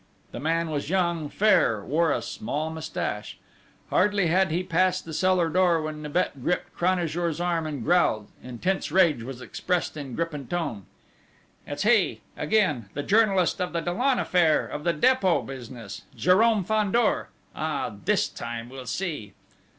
The man was young, fair, wore a small moustache! Hardly had he passed the cellar door when Nibet gripped Cranajour's arm and growled intense rage was expressed in grip and tone "It's he! Again! The journalist of the Dollon affair, of the Dépôt business Jérôme Fandor! Ah.... This time we'll see!..."